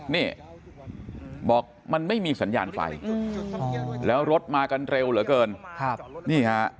นี่บอกมันไม่มีสัญญาณไฟแล้วรถมากันเร็วเหลือเกินครับนี่ฮะ